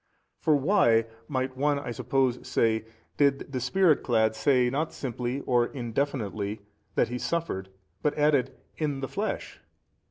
For why, might one I suppose say, did the Spirit clad say not simply or indefinitely that He suffered, but added, in the flesh?